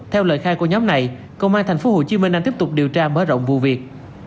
theo lời khai của nhóm này công an tp hcm đang tiếp tục điều tra mở rộng vụ việc